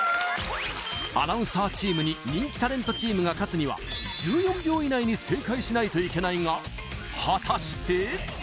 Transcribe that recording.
アナウンサーチームに人気タレントチームが勝つには１４秒以内に正解しないといけないが果たして？